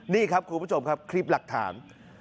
นี่ครับครูผู้ต้องหาคลิปหลักฐาน